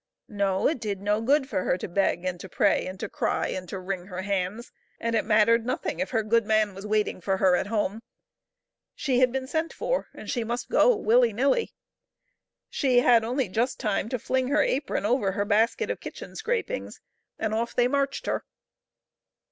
No ; it did no good for her to beg and to pray and to cry and to wring her hands, and it mat tered nothing if her good man was waiting for her at home. She had been sent for, and she must go, willy nilly. So she had only just time to fling her apron over her basket of kitchen scrapings, and off they marched her.